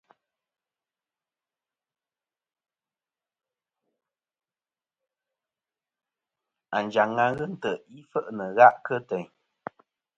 Anjaŋ-a ghɨ nt̀' i fe'nɨ gha' kɨ teyn.